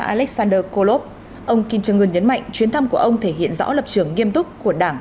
alexander kolob ông kim trương ươn nhấn mạnh chuyến thăm của ông thể hiện rõ lập trường nghiêm túc của đảng